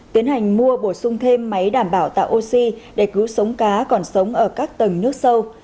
tiến hành mua bổ sung thêm máy đảm bảo tạo oxy để cứu sống cá còn sống ở các tầng nước sâu